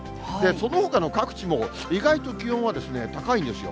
そのほかの各地も意外と気温は高いんですよ。